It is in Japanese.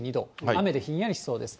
雨でひんやりしそうです。